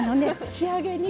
仕上げに。